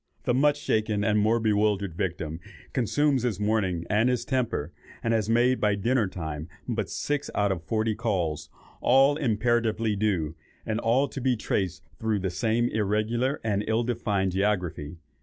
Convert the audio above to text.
The much shaken and more bewildered victim consumes his morning and his temper, and has made by dinner time but six out of forty calls, all imperatively due, and all to be traced through the same irregular and ill defined geography.